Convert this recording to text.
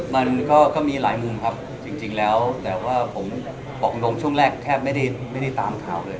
มันก็มีหลายมุมครับจริงแล้วแต่ว่าผมบอกตรงช่วงแรกแทบไม่ได้ตามข่าวเลย